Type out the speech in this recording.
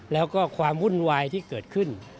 แล้วก็ความวุ่นวายที่เกิดขึ้น